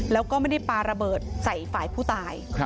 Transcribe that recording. แล้วก็ไม่ได้ปลาระเบิดใส่ฝ่ายผู้ตาย